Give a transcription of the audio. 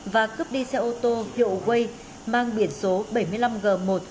và cướp đi xe ô tô hiệu way mang biển số bảy mươi năm g một trăm bốn mươi hai nghìn bảy trăm bốn mươi bảy